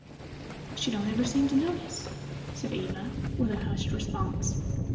"She don't ever seem to notice," said Eva, with a hushed response.